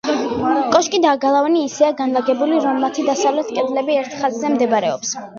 კოშკი და გალავანი ისეა განლაგებული, რომ მათი დასავლეთ კედლები ერთ ხაზზე მდებარეობს.